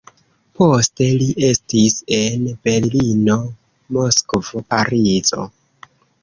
Poste li estis en Berlino, Moskvo, Parizo.